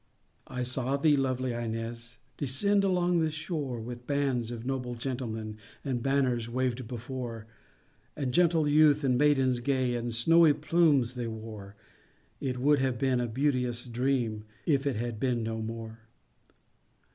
I saw thee, lovely Ines, Descend along the shore, With bands of noble gentlemen, And banners waved before; And gentle youth and maidens gay, And snowy plumes they wore; It would have been a beauteous dream, If it had been no more!